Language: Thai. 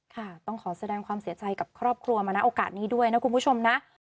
ค่ะต้องขอแสดงความเสียใจกับครอบครัวมานะโอกาสนี้ด้วยนะคุณผู้ชมนะ